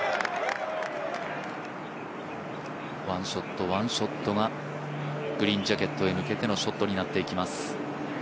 １ショット１ショットがグリーンジャケットへ向けてのショットになっていきます。